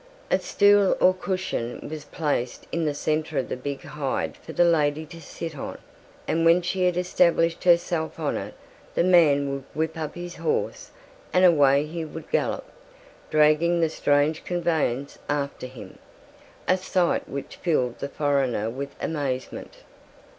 A stool or cushion was placed in the centre of the big hide for the lady to sit on, and when she had established herself on it the man would whip up his horse and away he would gallop, dragging the strange conveyance after him a sight which filled the foreigner with amazement.